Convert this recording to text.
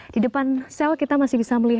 di depan sel kita masih bisa melihat